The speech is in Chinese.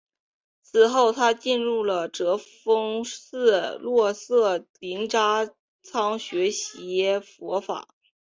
此后他进入哲蚌寺洛色林扎仓学习佛法。